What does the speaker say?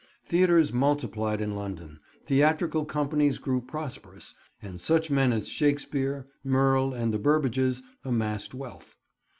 Theatres multiplied in London, theatrical companies grew prosperous, and such men as Shakespeare, Merle and the Burbages amassed wealth.